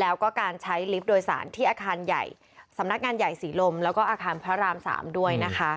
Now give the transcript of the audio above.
แล้วก็การใช้ลิฟต์โดยสารที่อาคารใหญ่สำนักงานใหญ่ศรีลมแล้วก็อาคารพระราม๓ด้วยนะคะ